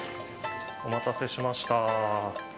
お待たせしました。